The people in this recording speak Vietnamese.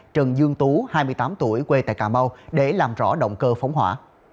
trần dương tú hai mươi tám tuổi quê tại cà mau để làm rõ động cơ phóng hỏa